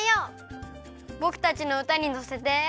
ぼくたちのうたにのせて。